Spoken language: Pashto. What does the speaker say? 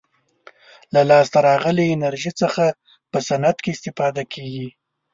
له لاسته راغلې انرژي څخه په صنعت کې استفاده کیږي.